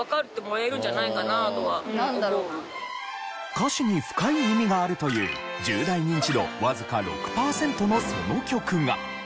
歌詞に深い意味があるという１０代ニンチドわずか６パーセントのその曲が。